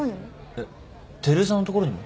えっ照井さんのところにも？